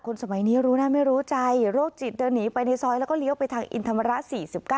สมัยนี้รู้นะไม่รู้ใจโรคจิตเดินหนีไปในซอยแล้วก็เลี้ยวไปทางอินธรรมระ๔๙